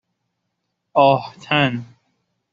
آهتَن